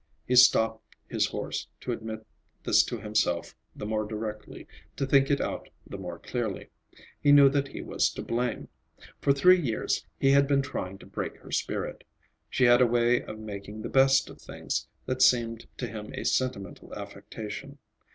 He stopped his horse to admit this to himself the more directly, to think it out the more clearly. He knew that he was to blame. For three years he had been trying to break her spirit. She had a way of making the best of things that seemed to him a sentimental affectation.